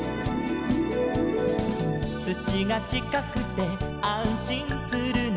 「土がちかくてあんしんするの」